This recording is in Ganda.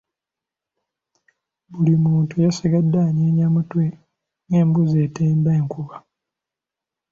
Buli muntu yasigadde anyeenya mutwe ng’embuzi etenda enkuba.